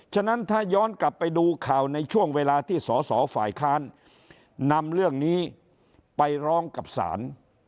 ฉะนั้นถ้าย้อนกลับไปดูข่าวในช่วงเวลาที่สอสอฝ่ายค้านนำเรื่องนี้ไปร้องกับศาล